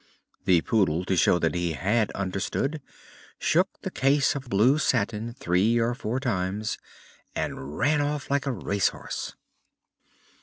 The Poodle, to show that he had understood, shook the case of blue satin three or four times and ran off like a race horse.